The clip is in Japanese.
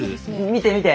見て見て！